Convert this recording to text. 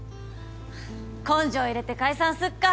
根性入れて解散すっか。